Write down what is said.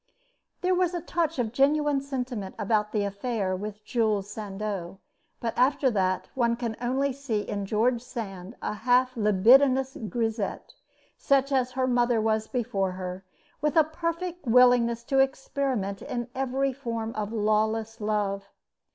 There was a touch of genuine sentiment about the affair with Jules Sandeau; but after that, one can only see in George Sand a half libidinous grisette, such as her mother was before her, with a perfect willingness to experiment in every form of lawless love.